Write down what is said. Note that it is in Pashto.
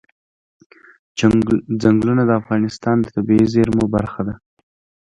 چنګلونه د افغانستان د طبیعي زیرمو برخه ده.